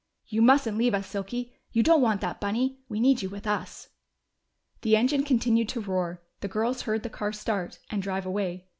"You mustn't leave us, Silky! You don't want that bunny! We need you with us." The engine continued to roar; the girls heard the car start, and drive away.